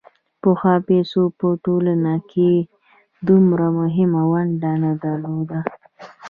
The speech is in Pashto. پخوا پیسو په ټولنه کې دومره مهمه ونډه نه درلوده